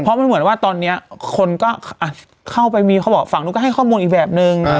เพราะมันเหมือนว่าตอนนี้คนก็เข้าไปมีเขาบอกฝั่งนู้นก็ให้ข้อมูลอีกแบบนึง